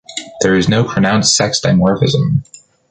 There is no pronounced sex dimorphism.